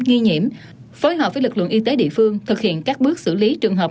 nghi nhiễm phối hợp với lực lượng y tế địa phương thực hiện các bước xử lý trường hợp